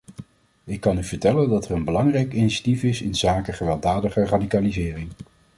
Ik kan u vertellen dat er een belangrijk initiatief is inzake gewelddadige radicalisering.